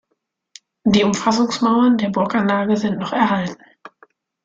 Die Umfassungsmauern der Burganlage sind noch erhalten.